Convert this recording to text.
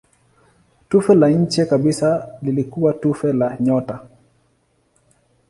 Tufe la nje kabisa lilikuwa tufe la nyota.